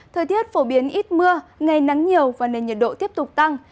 thời tiết phổ biến ít mưa ngày nắng nhiều và nền nhiệt độ tiếp tục tăng